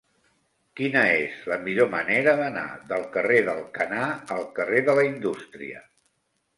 Quina és la millor manera d'anar del carrer d'Alcanar al carrer de la Indústria?